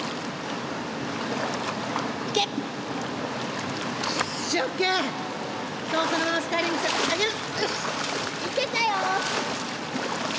いけたよ！